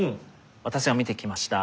私が見てきました